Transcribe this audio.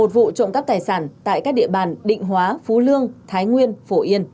một vụ trộm cắp tài sản tại các địa bàn định hóa phú lương thái nguyên phổ yên